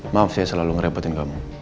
maaf saya selalu ngerepotin kamu